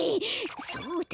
そうだ！